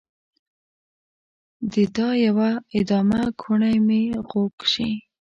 د دا يوه ادامه کوڼۍ مې خوږ شي